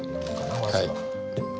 はい。